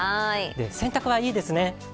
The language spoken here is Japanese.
洗濯はいいですね。